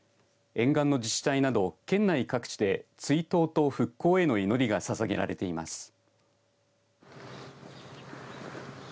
沿岸の自治体など県内各地で追悼と復興への祈りがささげられています。